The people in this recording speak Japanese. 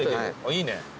いいね。